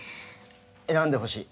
選んでほしい。